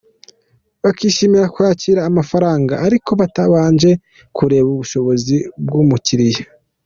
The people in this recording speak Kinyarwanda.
Bakishimira kwakira amafaranga ariko batabanje kureba ubushobozi bw’umukiriya.